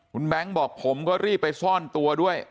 คุณแบงค์บอกผมก็รีบไปซ่อนตัวด้วย